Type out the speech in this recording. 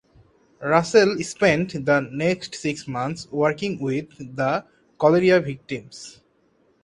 Russell spent the next six months working with the cholera victims.